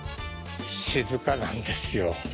静かなんですよ。